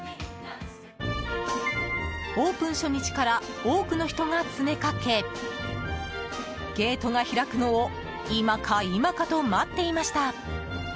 オープン初日から多くの人が詰めかけゲートが開くのを今か今かと待っていました。